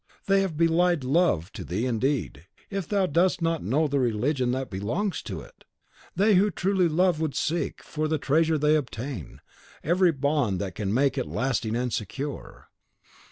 they have belied love to thee indeed, if thou dost not know the religion that belongs to it! They who truly love would seek, for the treasure they obtain, every bond that can make it lasting and secure.